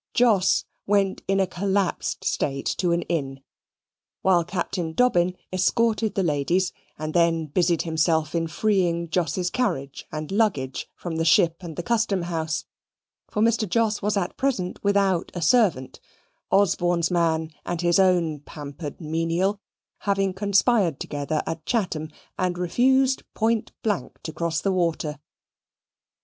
Jos went in a collapsed state to an inn, while Captain Dobbin escorted the ladies, and then busied himself in freeing Jos's carriage and luggage from the ship and the custom house, for Mr. Jos was at present without a servant, Osborne's man and his own pampered menial having conspired together at Chatham, and refused point blank to cross the water.